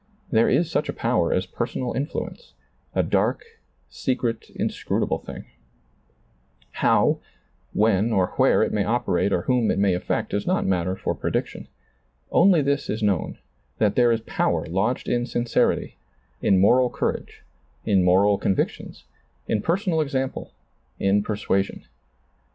There is such a power as personal influence — a dark, secret, inscrutable ^lailizccbvGoOgle I30 SEEING DARKLY thing. How, when, or where it may operate or whom it may afiect is not matter for prediction. Only this is known, that there is power lodged in sincerity, in moral courage, in moral convictions, in personal example, in persuasion.